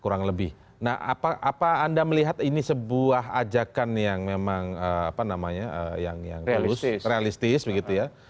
realistis begitu ya